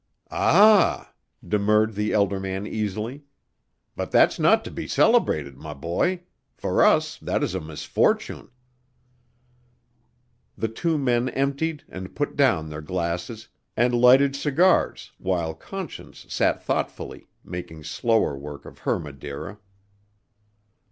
"Ah," demurred the elder man easily. "But that's not to be celebrated, my boy. For us that is a misfortune." The two men emptied and put down their glasses and lighted cigars while Conscience sat thoughtfully, making slower work of her Madeira.